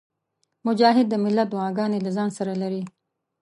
مجاهد د ملت دعاګانې له ځانه سره لري.